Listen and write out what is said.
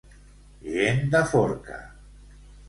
Gent de forca.